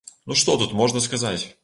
Ну што тут можна сказаць?